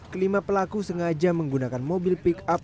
kelima pelaku sengaja menggunakan mobil pick up